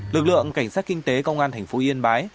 lực lượng cảnh sát kinh tế công an tp yên bái